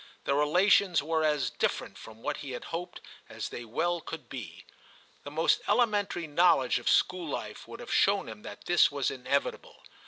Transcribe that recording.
Their relations were as different from what he had hoped as they well could be. The most elementary knowledge of school life would have shown him that this was inevitable.